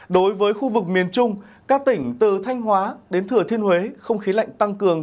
đối với khu vực miền trung các tỉnh từ thanh hóa đến thừa thiên huế không khí lạnh tăng cường